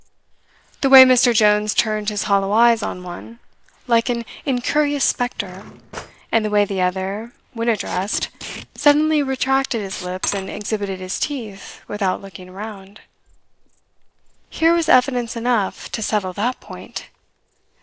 The way Mr. Jones turned his hollow eyes on one, like an incurious spectre, and the way the other, when addressed, suddenly retracted his lips and exhibited his teeth without looking round here was evidence enough to settle that point.